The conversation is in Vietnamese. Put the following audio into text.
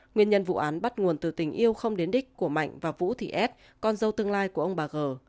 nguyên nhân vụ án bắt nguồn từ tình yêu không đến đích của mạnh và vũ thị ép con dâu tương lai của ông bà g